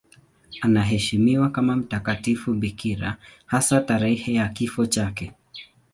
Anaheshimiwa kama mtakatifu bikira, hasa tarehe ya kifo chake.